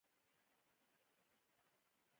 پنیر در واخلئ، مه ژاړئ، مشرې یې له سر ښورولو وروسته.